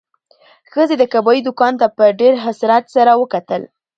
ښځې د کبابي دوکان ته په ډېر حسرت سره وکتل.